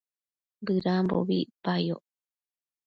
bëdambobi icpayoc